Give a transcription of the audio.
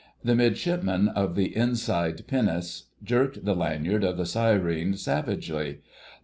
The Midshipman of the inside pinnace jerked the lanyard of the syren savagely.